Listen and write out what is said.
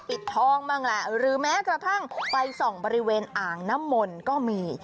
ปิดทองบ้างแหละหรือแม้กระทั่งไปส่องบริเวณอ่างน้ำมนต์ก็มี